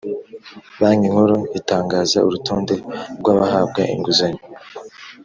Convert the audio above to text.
Banki nkuru itangaza urutonde rw’ abahabwa inguzanyo